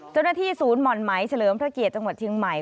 เจ้าหน้าที่ศูนย์หม่อนไหมเฉลิมพระเกียรติจังหวัดเชียงใหม่